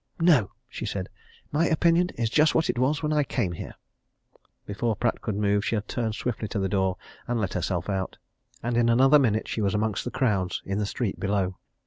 "No!" she said. "My opinion is just what it was when I came here." Before Pratt could move she had turned swiftly to the door and let herself out, and in another minute she was amongst the crowds in the street below.